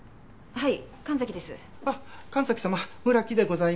はい。